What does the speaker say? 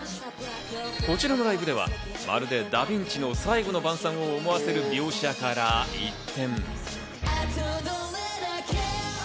こちらのライブでは、まるでダ・ヴィンチの『最後の晩餐』を思わせる描写から一転。